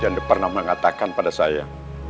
jangan pernah mengatakan pada saya